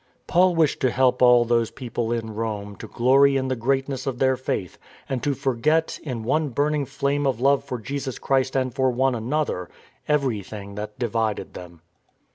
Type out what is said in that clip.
Paul wished to help all those people in Rome to 272 STORM AND STRESS glory in the greatness of their Faith and to forget, in one burning flame of love for Jesus Christ and for one another, everything that divided them.